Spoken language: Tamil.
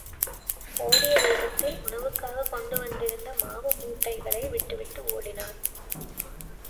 ஒடிய வேகத்தில், உணவுக்காகக் கொண்டு வந்திருந்த மாவு மூட்டைகளை விட்டு விட்டு ஓடினார்.